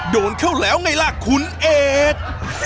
โดนเข้าแล้วไงล่ะคุณเอก